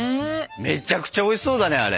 めちゃくちゃおいしそうだねあれ。